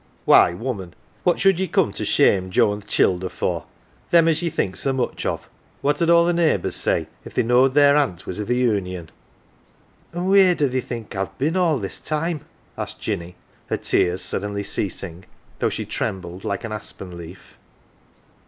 Why, woman, what should ye come to shame Joe an' th' childer for them as ye think so much of? What 'ud all the neighbours say if they knowed their aunt was i' th' Union ?" "An'wheer do they think I've bin all this time?" asked Jinny, her tears suddenly ceasing, though she trembled like an aspen leaf.